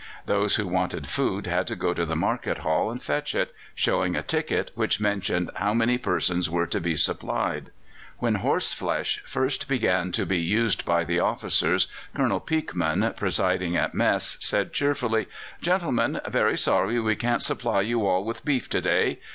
Those who wanted food had to go to the market hall and fetch it, showing a ticket which mentioned how many persons were to be supplied. When horse flesh first began to be used by the officers, Colonel Peakman, presiding at mess, said cheerfully: "Gentlemen, very sorry we can't supply you all with beef to day.